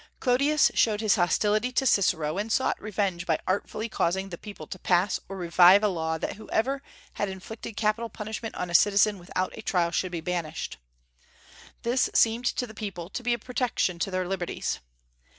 Clodius showed his hostility to Cicero, and sought revenge by artfully causing the people to pass or revive a law that whoever had inflicted capital punishment on a citizen without a trial should be banished. This seemed to the people to be a protection to their liberties.